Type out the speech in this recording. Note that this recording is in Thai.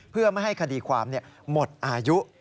เพื่อไม่ให้คดีความหมดอายุ